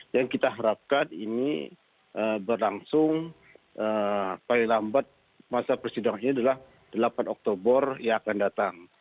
yang kita harapkan ini berlangsung paling lambat masa persidangan ini adalah delapan oktober yang akan datang